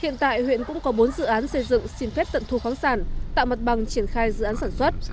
hiện tại huyện cũng có bốn dự án xây dựng xin phép tận thu khoáng sản tạo mặt bằng triển khai dự án sản xuất